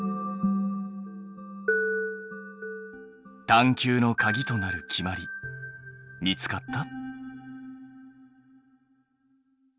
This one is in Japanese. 探究のかぎとなる決まり見つかった？